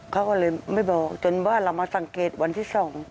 เขาก็เลยไม่บอกจนว่าเรามาสังเกตวันที่๒